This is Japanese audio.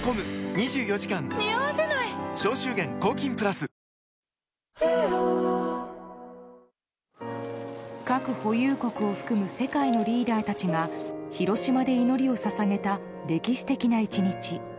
その日が近づくのかあさって、日曜日の核保有国を含む世界のリーダーたちが広島で祈りを捧げた歴史的な１日。